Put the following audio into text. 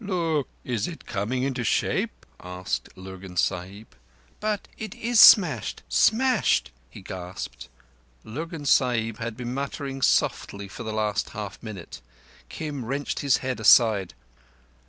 "Look! Is it coming into shape?" asked Lurgan Sahib. "But it is smashed—smashed," he gasped—Lurgan Sahib had been muttering softly for the last half minute. Kim wrenched his head aside.